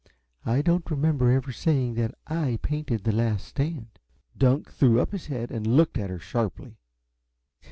"I don't remember ever saying that I painted 'The Last Stand.'" Dunk threw up his head and looked at her sharply.